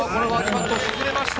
パットを沈めました。